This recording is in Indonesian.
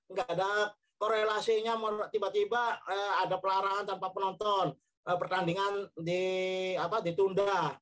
nggak ada korelasinya tiba tiba ada pelarahan tanpa penonton pertandingan ditunda